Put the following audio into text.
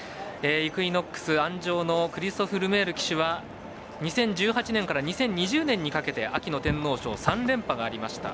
イクイノックス、鞍上のクリストフ・ルメール選手は２０１８年から２０２０年にかけて秋の天皇賞３連覇がありました。